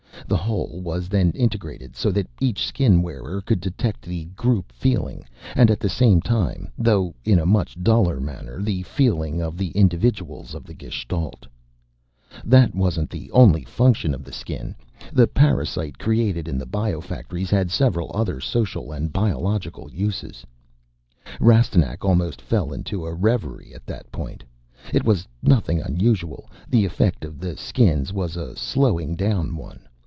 The whole was then integrated so that each Skin wearer could detect the group feeling and at the same time, though in a much duller manner, the feeling of the individuals of the gestalt. That wasn't the only function of the Skin. The parasite, created in the bio factories, had several other social and biological uses. Rastignac almost fell into a reverie at that point. It was nothing unusual. The effect of the Skins was a slowing down one.